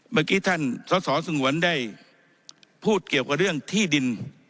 เมื่อกี้ท่านสอสอสงวนได้พูดเกี่ยวกับเรื่องที่ดิน